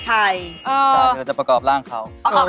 ใช่เดี๋ยวจะประกอบร่างเขา